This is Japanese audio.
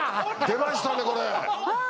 出ましたねこれ！